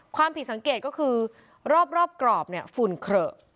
ความผิดสังเกตก็คือรอบกรอบเนี่ยฝุ่นเขละ